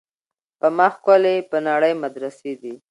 په ما ښکلي په نړۍ کي مدرسې دي